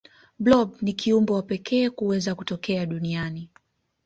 blob ni kiumbe wa pekee kuweza kutokea duniani